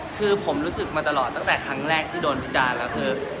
คือผมรู้สึกมาตลอดตั้งแต่ครั้งแรกที่โดนพิจารณ์แล้วคือ